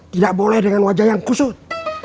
tidak boleh dengan wajah yang khusus